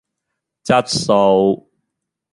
質素